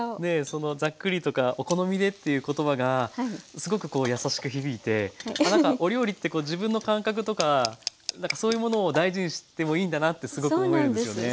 そのざっくりとかお好みでっていう言葉がすごくこう優しく響いて何かお料理って自分の感覚とかそういうものを大事にしてもいいんだなってすごく思えるんですよね。